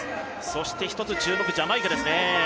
そして、一つ、注目ジャマイカですね。